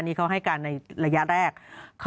นี่เขาให้การในระยะแรก